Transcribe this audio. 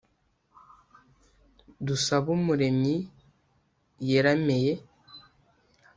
Dusabumuremyi yerameye